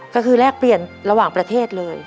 ก็คือแลกเปลี่ยนระหว่างประเทศเลย